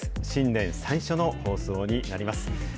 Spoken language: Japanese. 新年最初の放送になります。